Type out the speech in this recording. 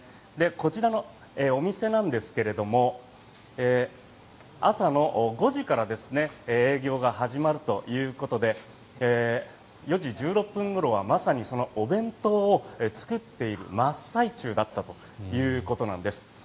こちらのお店なんですが朝の５時から営業が始まるということで４時１６分ごろはまさにそのお弁当を作っている真っ最中だったということなんです。